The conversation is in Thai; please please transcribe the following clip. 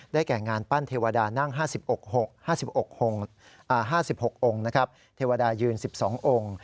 แก่งานปั้นเทวดานั่ง๕๖องค์เทวดายืน๑๒องค์